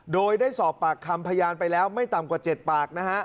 โดยได้สอบปากคำพยานไปแล้วไม่ต่ำกว่า๗ปากนะฮะ